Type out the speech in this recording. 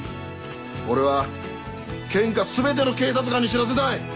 俺は県下全ての警察官に知らせたい！